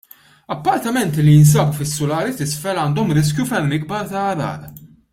Appartamenti li jinsabu fis-sulari t'isfel għandhom riskju ferm ikbar ta' għargħar.